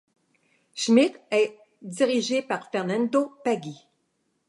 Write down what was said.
Schmidt et dirigée par Fernando Paggi.